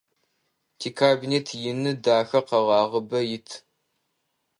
Тикабинет ины, дахэ, къэгъагъыбэ ит.